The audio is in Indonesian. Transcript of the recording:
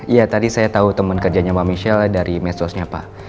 iya tadi saya tahu teman kerjanya mbak michelle dari medsosnya pak